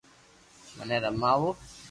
مني رماوُ